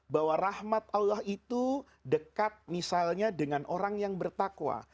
bahwa rahmat allah itu dekat misalnya dengan orang yang bertakwa